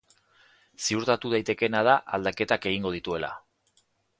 Ziurtatu daitekeena da aldaketak egingo dituela.